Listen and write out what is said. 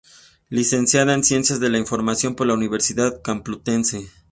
Licenciada en Ciencias de la Información por la Universidad Complutense.